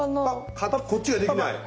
こっちができない！